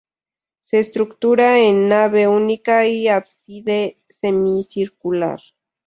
Se estructura en nave única y ábside semicircular.